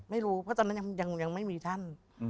ไม่รู้เพราะตอนนั้นยังไม่มีท่าน